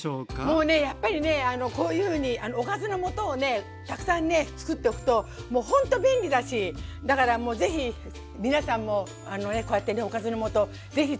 もうねやっぱりねこういうふうにおかずの素をねたくさんね作っておくともうほんと便利だしだからもう是非皆さんもあのねこうやってねおかずの素是非作ってみて下さい。